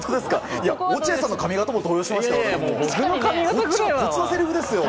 落合さんの髪形も動揺しましたよ。